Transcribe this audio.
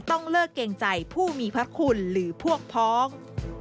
ต้องเลิกเกรงใจผู้มีพระคุณหรือพวกพ้อง